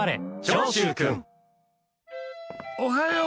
おはよう。